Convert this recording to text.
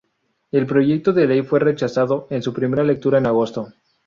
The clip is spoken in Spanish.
El proyecto de ley fue rechazado en su primera lectura en agosto.